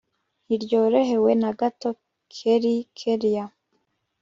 ntiyorohewe nagato kelli kellia